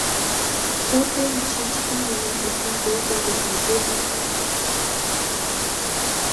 Суудлын машин ч хэн нэг нь биднийг дуудав гэж мэдээд зайдуухан очоод зогсжээ.